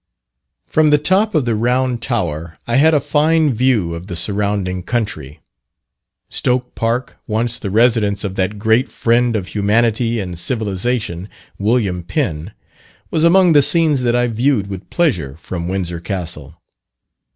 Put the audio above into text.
From the top of the Round Tower I had a fine view of the surrounding country. Stoke Park, once the residence of that great friend of humanity and civilization, William Penn, was among the scenes that I viewed with pleasure from Windsor Castle.